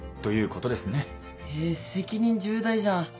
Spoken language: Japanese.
え責任重大じゃん。